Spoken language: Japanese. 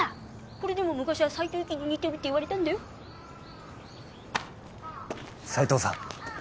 これでも昔は斉藤由貴に似てると言われたんだ斉藤さん